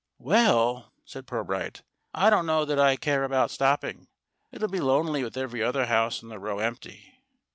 "Well," said Pirbright, "I don't know that I care about stopping. It'll be lonely with every other house in the row empty."